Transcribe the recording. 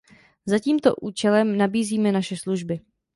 Za tímto účelem nabízíme naše služby.